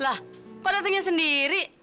lah kok datangnya sendiri